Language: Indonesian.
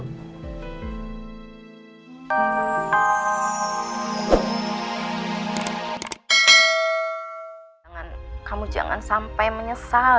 kamu jangan sampai menyesal